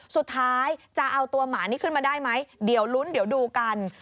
สุดท้ายจะเอาตัวหมานี่ขึ้นมาได้ไหมเดี๋ยวลุ้นเดี๋ยวดูกัน